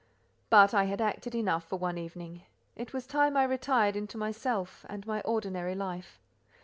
But I had acted enough for one evening; it was time I retired into myself and my ordinary life.